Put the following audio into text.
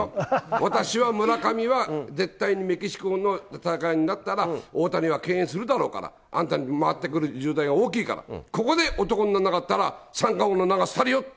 私は村上は絶対にメキシコの戦いになったら、大谷は敬遠するだろうから、あんたに回ってくる重大が大きいから、ここで男にならなかったら、三冠王の名がすたるよ。